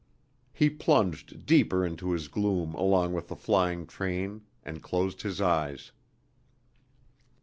He plunged deeper into his gloom along with the flying train and closed his eyes....